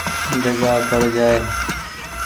جگآ پڙ جآئي۔